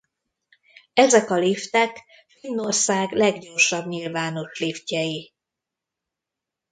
Ezek a liftek Finnország leggyorsabb nyilvános liftjei.